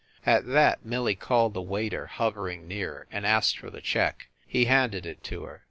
At that, Millie called the waiter hovering near, and asked for the check. He handed it to her.